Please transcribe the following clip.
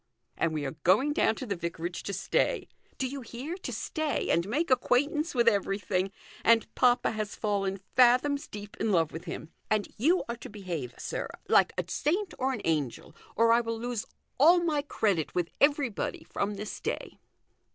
And we are going down to the vicarage to stay ; do you hear, to stay, and make acquaintance with everything. And papa has fallen fathoms deep in love with him. And you are to behave, sir, like a saint or an angel, or I will lose all my credit with everybody from this day."